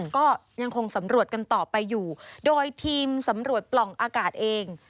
ก็ยังคงสำรวจกันต่อไปอยู่โดยทีมสำรวจปล่องอากาศเอง